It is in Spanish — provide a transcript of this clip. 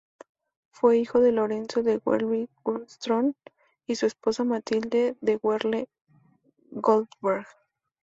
Fue un hijo de Lorenzo de Werle-Güstrow y su esposa Matilde de Werle-Goldberg.